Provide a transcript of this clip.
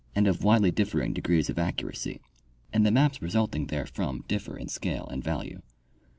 and of widely differing degrees of accuracy, and the maps result ing therefrom differ in scale and value.